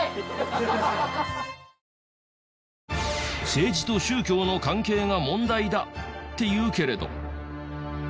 政治と宗教の関係が問題だ！っていうけれど。